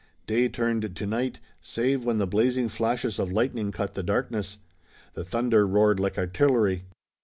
Day turned to night, save when the blazing flashes of lightning cut the darkness. The thunder roared like artillery.